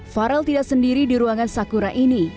farel tidak sendiri di ruangan sakura ini